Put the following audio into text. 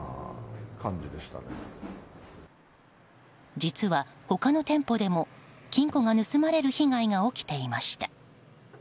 実は、他の店舗でも金庫が盗まれる被害が起きていました。